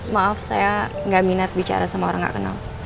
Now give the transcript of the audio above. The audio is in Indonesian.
maaf saya gak minat bicara sama orang gak kenal